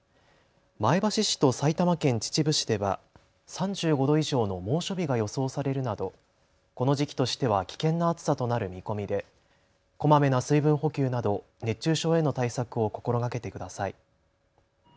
前橋市と埼玉県秩父市では３５度以上の猛暑日が予想されるなどこの時期としては危険な暑さとなる見込みでこまめな水分補給など熱中症への対策を心がけてください。